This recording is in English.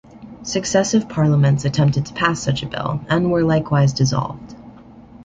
Successive Parliaments attempted to pass such a bill, and were likewise dissolved.